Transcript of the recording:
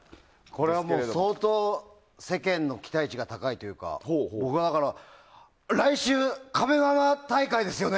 これはもう、相当世間の期待値が高いというか僕、だから、来週壁の穴大会ですよね！